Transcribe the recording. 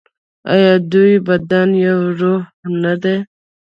آیا دوه بدن یو روح نه دي؟